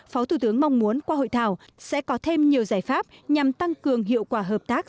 phó thủ tướng mong muốn qua hội thảo sẽ có thêm nhiều giải pháp nhằm tăng cường hiệu quả hợp tác